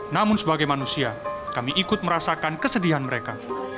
namun sebagai manusia kami ikut merasakan kesedihan mereka